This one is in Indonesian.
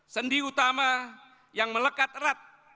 sendi utama yang melekat erat